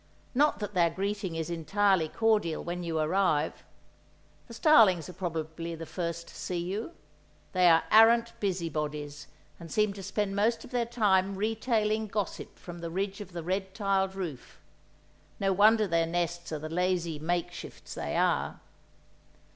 Not that their greeting is entirely cordial when you arrive. The starlings are probably the first to see you; they are arrant busybodies, and seem to spend most of their time retailing gossip from the ridge of the red tiled roof. No wonder their nests are the lazy make shifts they are!